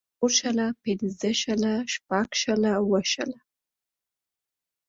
څلور شله پنځۀ شله شټږ شله اووه شله